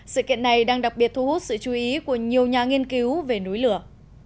sự kiện này đang đặc biệt thu hút sự chú ý của nhiều nhà nghiên cứu về núi lửa